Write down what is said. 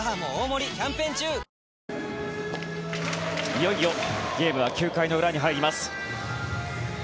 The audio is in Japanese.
いよいよゲームは９回の裏に入ります。